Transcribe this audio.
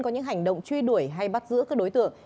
có những hành động truy đuổi hay bắt giữ các đối tượng